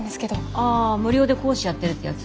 ああ無料で講師やってるってやつ？